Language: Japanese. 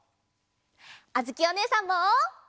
あづきおねえさんも。